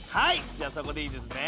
じゃあそこでいいですね？